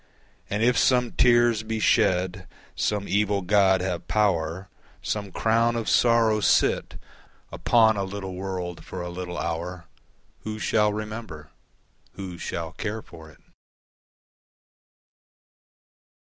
And if some tears be shed, Some evil God have power, Some crown of sorrow sit Upon a little world for a little hour Who shall remember? Who shall care for it?